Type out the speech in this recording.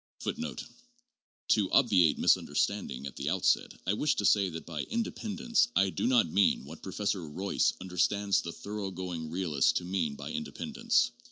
2 1 To obviate misunderstanding at the outset, I wish to say that by 'inde pendence' I do not mean what Professor Royce understands the thoroughgoing realist to mean by ' independence.'